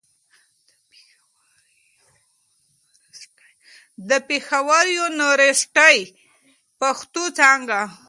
د پېښور يونيورسټۍ، پښتو څانګه